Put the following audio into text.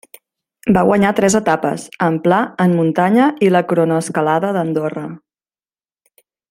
Va guanyar tres etapes, en pla, en muntanya i la cronoescalada d'Andorra.